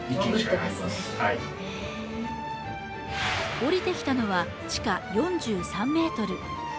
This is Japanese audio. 下りてきたのは地下４３ｍ。